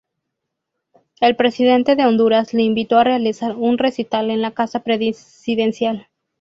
El Presidente de Honduras le invito a realizar un recital en la Casa Presidencial.